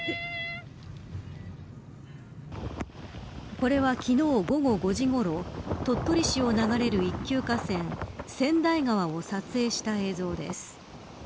これは、昨日午後５時ごろ鳥取市を流れる一級河川千代川を撮影した映像です。